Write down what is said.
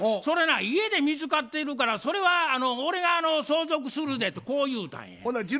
「それな家で見つかってるからそれは俺が相続するで」とこう言うたんや。